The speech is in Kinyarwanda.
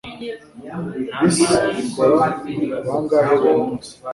Bisi ikora bangahe buri munsi?